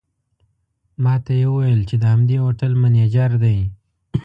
ماته یې وویل چې د همدې هوټل منیجر دی.